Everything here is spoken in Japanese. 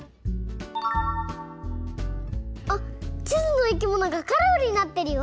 あっちずのいきものがカラフルになってるよ。